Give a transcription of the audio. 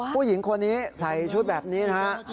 ผู้หญิงคนนี้ใส่ชุดแบบนี้นะฮะ